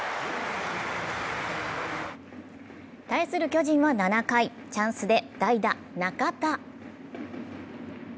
対する巨人は７回、チャンスで代打・中田。